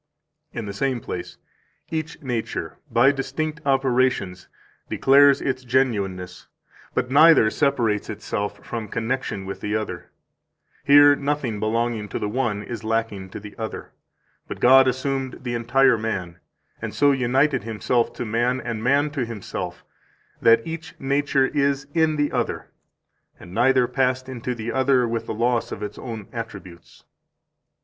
176 In the same place: "Each nature, by distinct operations, declares its genuineness, but neither separates itself from connection with the other; here nothing belonging to the one is lacking to the other; but God assumed the entire man, and so united Himself to man and man to Himself, that each nature is in the other, and neither passed into the other with the loss of its own attributes."